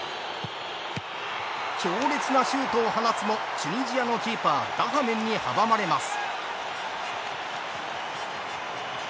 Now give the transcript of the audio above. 強烈なシュートを放つもチュニジアのキーパーダハメンに、はばまれます。